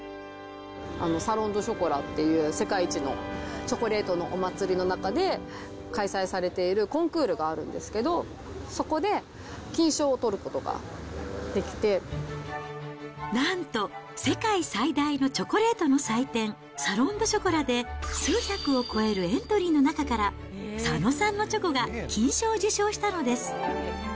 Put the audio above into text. サロン・デュ・ショコラっていう世界一のチョコレートのお祭りの中で開催されているコンクールがあるんですけど、なんと、世界最大のチョコレートの祭典、サロン・デュ・ショコラで、数百を超えるエントリーの中から、佐野さんのチョコが金賞を受賞したのです。